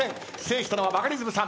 制したのはバカリズムさん。